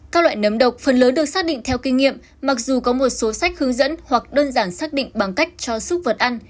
các loại nấm độc phần lớn được xác định theo kinh nghiệm mặc dù có một số sách hướng dẫn hoặc đơn giản xác định bằng cách cho xúc vật ăn